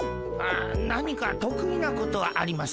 何かとくいなことはありますか？